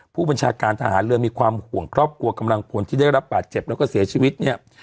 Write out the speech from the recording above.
ผู้บัญชาการทหารเรือมีความห่วงครอบครัวกำลังพลที่ได้รับบาดเจ็บแล้วก็เสียชีวิตเนี่ย